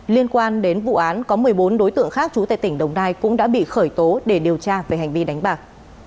liên quan đến vụ án có một mươi bốn đối tượng khác chú tại tỉnh đồng nai cũng đã bị khởi tố để điều tra về hành vi đánh bạc